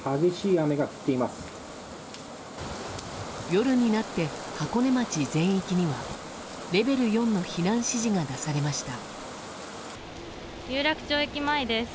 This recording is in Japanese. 夜になって箱根町全域にはレベル４の避難指示が出されました。